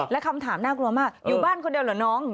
และคำถามน่ากลัวมากอยู่บ้านคนเดียวเหรอน้อง